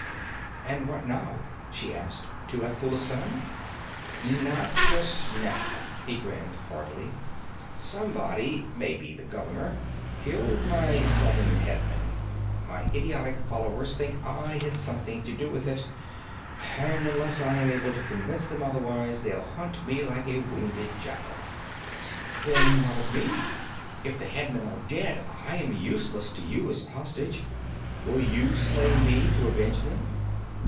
'And what now?' she asked. 'To Afghulistan?' 'Not just now!' He grinned hardly. 'Somebody maybe the governor killed my seven headmen. My idiotic followers think I had something to do with it, and unless I am able to convince them otherwise, they'll hunt me like a wounded jackal.' 'Then what of me? If the headmen are dead, I am useless to you as a hostage. Will you slay me, to avenge them?'